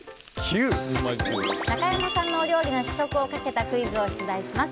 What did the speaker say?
中山さんのお料理の試食をかけたクイズを出題します。